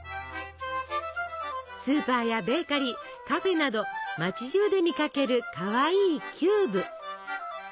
スーパーやベーカリーカフェなど町じゅうで見かけるかわいいキューブ。